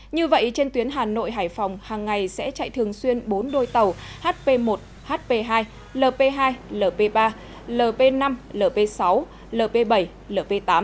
như vậy trên tuyến hà nội hải phòng hàng ngày sẽ chạy thường xuyên bốn đôi tàu hp một hp hai lp hai lp ba lp năm lp sáu lp bảy lp tám